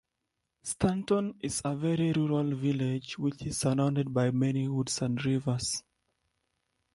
Stanton is a very rural village which is surrounded by many woods and rivers.